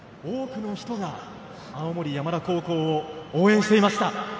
多くの人が青森山田高校を応援していました。